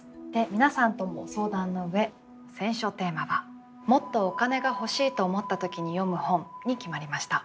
皆さんとも相談の上選書テーマは「もっとお金が欲しいと思った時に読む本」に決まりました。